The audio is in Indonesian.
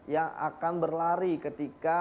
yang akan berlari ketika